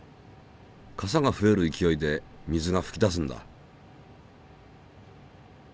かさが増える勢いで水がふき出すんだ。